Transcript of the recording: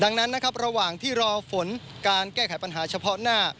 ดังนั้นนครามที่รอฝนการแก้ไขปัญหาเฉพาะหน้า